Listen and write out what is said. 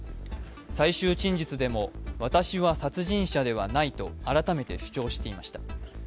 最終陳述でも私は殺人者ではないと改めて主張していました。